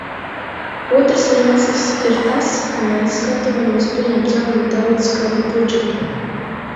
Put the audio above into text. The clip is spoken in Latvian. Otrs iemesls ir tas, ka mēs gatavojamies pieņemt jaunu daudzgadu budžetu.